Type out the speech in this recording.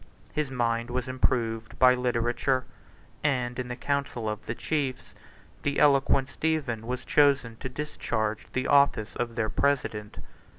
His mind was improved by literature; and, in the council of the chiefs, the eloquent Stephen 48 was chosen to discharge the office of their president.